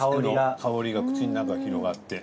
香りが口の中広がって。